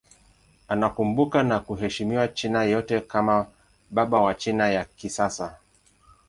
Anakumbukwa na kuheshimiwa China yote kama baba wa China ya kisasa.